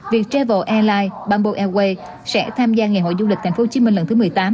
viet travel airlines bamboo airways sẽ tham gia ngày hội du lịch tp hcm lần thứ một mươi tám